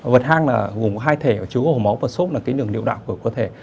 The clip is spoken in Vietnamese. vật hang là gồm hai thể chứa hồ máu và sốt là cái nường liệu đạo của cơ thể